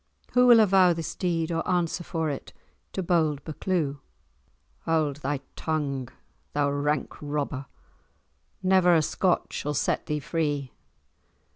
Who will avow this deed or answer for it to bold Buccleuch?" "Hold thy tongue, thou rank robber! Never a Scot shall set thee free.